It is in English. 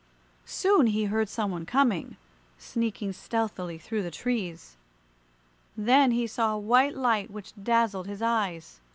Soon he heard some one coming, sneaking stealthily through the trees. Then he saw a white light which dazzled his eyes.